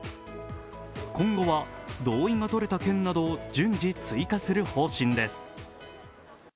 今後は、同意がとれた県など順次追加する方針です。